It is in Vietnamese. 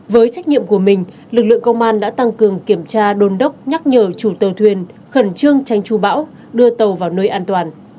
với trách nhiệm của mình lực lượng công an đã tăng cường kiểm tra đôn đốc nhắc nhở chủ tàu thuyền khẩn trương tranh chú bão đưa tàu vào nơi an toàn